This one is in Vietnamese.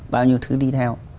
bao nhiêu thứ đi theo